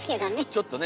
ちょっとね